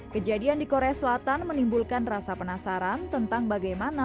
kejadian di korea selatan menimbulkan rasa penasaran tentang bagaimana